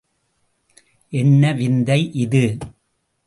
என்ன விந்தை இது?